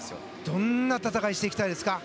どんな戦いしていきたいですか。